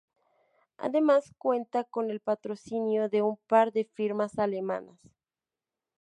Además cuenta con el patrocinio de un par de firmas alemanas.